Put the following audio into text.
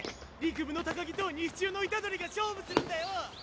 陸部の高木と西中の虎杖が勝負するんだよ。